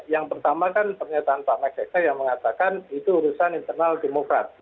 yang pertama kan pernyataan pak max excel yang mengatakan itu urusan internal demokrat